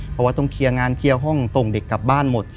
เพราะว่าต้องเคลียร์งานเคลียร์ห้องส่งเด็กกลับบ้านหมด